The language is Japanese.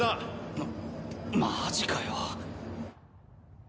なっマジかよ。